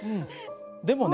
でもね